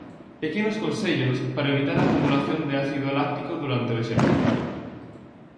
Pequenos consellos para evitar a acumulación de ácido láctico durante o exercicio.